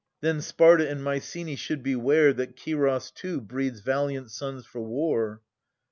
Then Sparta and Mycenae should be ware That Scyros too breeds valiant sons for war.